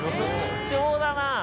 貴重だな。